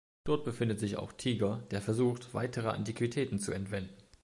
Dort befindet sich auch Tiger, der versucht, weitere Antiquitäten zu entwenden.